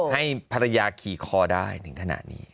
ให้ภรรยาขี่คอได้ถึงขนาดนี้